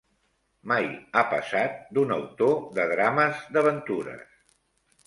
Mai ha passat d'un autor de drames d'aventures